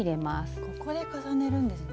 ここで重ねるんですね。